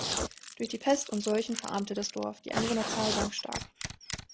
Durch die Pest und Seuchen verarmte das Dorf, die Einwohnerzahl sank stark.